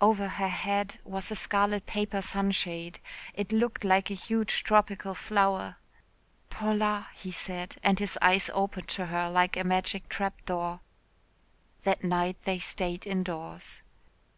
Over her head was a scarlet paper sunshade. It looked like a huge tropical flower. "Paula," he said and his eyes opened to her like a magic trap door. That night they stayed indoors.